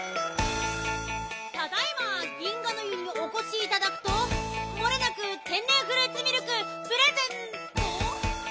ただいま銀河の湯におこしいただくともれなく天然フルーツミルクプレゼント。